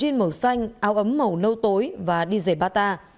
đối tượng mặc quần jean màu xanh áo ấm màu nâu tối và đi rể bata